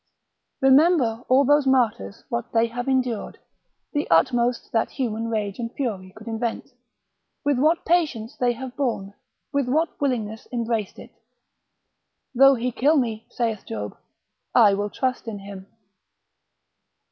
Remember all those martyrs what they have endured, the utmost that human rage and fury could invent, with what patience they have borne, with what willingness embraced it. Though he kill me, saith Job, I will trust in him.